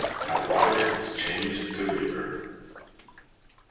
HOW WATER IS CHANGED TO VAPOR.